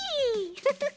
フフフ。